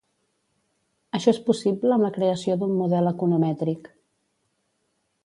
Això és possible amb la creació d'un model economètric.